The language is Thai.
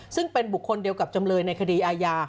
ซึ่งเป็นบุคคลเดียวกับจำเลยในคดีอาญา